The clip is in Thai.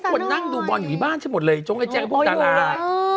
คนนั่งดูบอลอยู่บ้านใช่หมดเลยจงให้แจ้งกับพวกตลาด